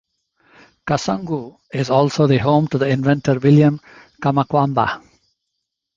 Kasungu is also the home to the inventor William Kamkwamba.